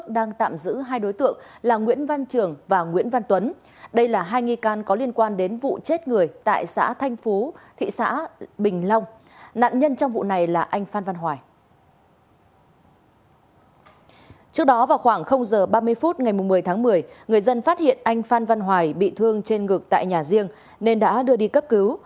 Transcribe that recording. sau đó vào khoảng h ba mươi phút ngày một mươi tháng một mươi người dân phát hiện anh phan văn hoài bị thương trên ngực tại nhà riêng nên đã đưa đi cấp cứu